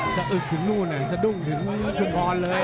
อึกถึงนู่นสะดุ้งถึงชุมพรเลย